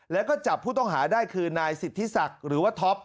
แล้วก็จับผู้ต้องหาได้คือนายสิทธิศักดิ์หรือว่าท็อป